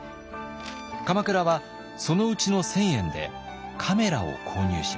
鎌倉はそのうちの１，０００円でカメラを購入します。